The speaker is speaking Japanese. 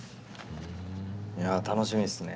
いや楽しみですね。